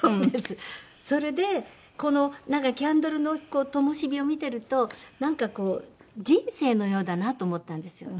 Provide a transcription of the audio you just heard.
それでなんかキャンドルの灯火を見てるとなんかこう人生のようだなと思ったんですよ。